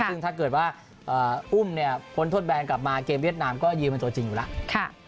ซึ่งถ้าเกิดว่าอุ้มเนี่ยพ้นโทษแบนกลับมาเกมเวียดนามก็ยืนเป็นตัวจริงอยู่แล้ว